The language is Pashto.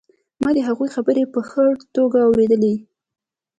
ما د هغوی خبرې په ښه توګه اورېدلې